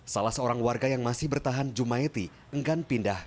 salah seorang warga yang masih bertahan jumaeti enggan pindah